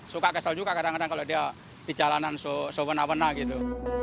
suka kesel juga kadang kadang kalau dia di jalanan sebena mena gitu